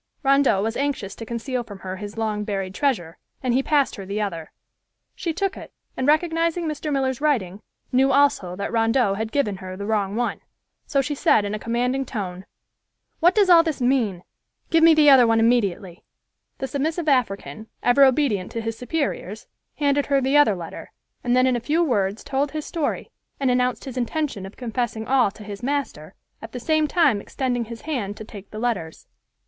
Rondeau was anxious to conceal from her his long buried treasure, and he passed her the other. She took it and recognizing Mr. Miller's writing, knew also that Rondeau had given her the wrong one, so she said in a commanding tone, "What does all this mean? Give me the other one immediately." The submissive African, ever obedient to his superiors, handed her the other letter, and then in a few words told his story, and announced his intention of confessing all to his master, at the same time extending his hand to take the letters.